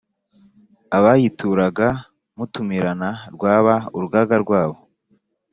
Abayituraga mutumirana Rwaba urugaga rwabo